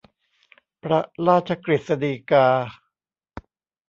พระราชกฤษฎีกา